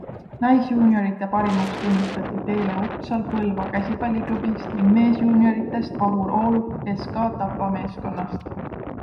Naisjuunioride parimaks tunnistati Teele Utsal Põlva Käsipalliklubist ning meesjuunioridest Vahur Oolup SK Tapa meeskonnast.